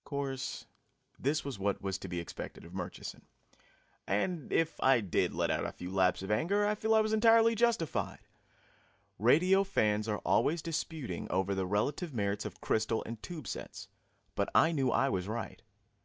Of course, this was what was to be expected of Murchison. And if I did let out a few laps of anger, I feel I was entirely justified. Radio fans are always disputing over the relative merits of crystal and tube sets, but I knew I was right.